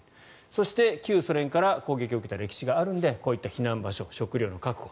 そして旧ソ連から攻撃を受けた歴史があるのでこういった避難場所、食料の確保